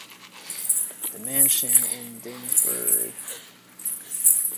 The mansion in Dyersburg was chosen to be used as the plantation owner's home.